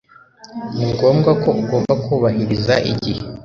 Ni ngombwa ko ugomba kubahiriza igihe